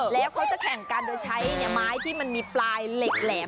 แล้วเขาจะแข่งกันโดยใช้ไม้ที่มันมีปลายเหล็กแหลม